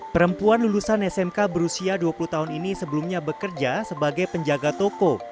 perempuan lulusan smk berusia dua puluh tahun ini sebelumnya bekerja sebagai penjaga toko